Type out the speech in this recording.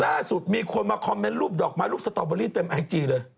ล่าสุดมีคนมาคอมเมนต์รูปดอกไม้รูปสตอเบอรี่เต็มไอจีเลย